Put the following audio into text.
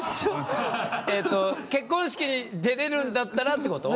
結婚式出れるんだったらってこと？